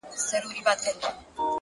صبر د اوږدو سفرونو قوت دی.